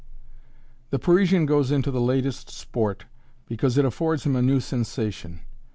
The Parisian goes into the latest sport because it affords him a new sensation.